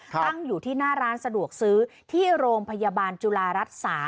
ตั้งอยู่ที่หน้าร้านสะดวกซื้อที่โรงพยาบาลจุฬารัฐ๓